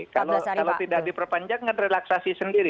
kalau tidak diperpanjang kan relaksasi sendiri